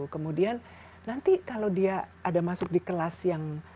kemudian nanti kalau dia ada masuk di kelas yang